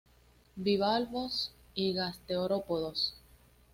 Bivalvos y gasterópodos.